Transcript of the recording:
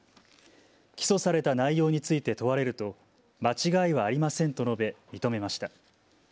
起訴された内容について問われると間違いはありませんと述べ認めました。